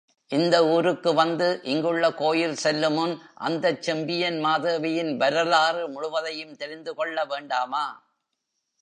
இந்த ஊருக்கு வந்து இங்குள்ள கோயில் செல்லுமுன் அந்தச் செம்பியன்மாதேவியின் வரலாறு முழுவதையும் தெரிந்துகொள்ள வேண்டாமா?